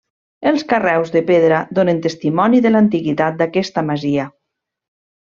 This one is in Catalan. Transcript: Els carreus de pedra donen testimoni de l'antiguitat d'aquesta masia.